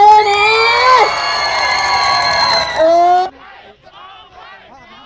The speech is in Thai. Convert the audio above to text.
โอเคโอเคโอเคโอเค